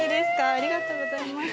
ありがとうございます。